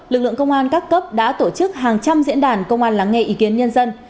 lực lượng công an các cấp đã tổ chức hàng trăm diễn đàn công an lắng nghe ý kiến nhân dân